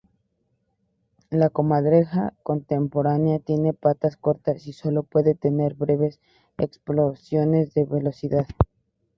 La comadreja contemporánea tiene patas cortas y sólo puede tener breves explosiones de velocidad.